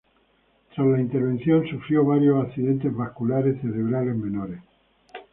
Tras la intervención sufrió varios accidentes vasculares cerebrales menores.